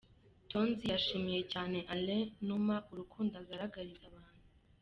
Tonzi yashimiye cyane Alain Numa urukundo agaragariza abantu.